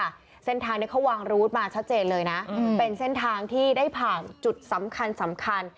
เส้นทางนี้เขาวางรูดมาชัดเจนเลยนะเป็นเส้นทางที่ได้ผ่านจุดสำคัญสำคัญ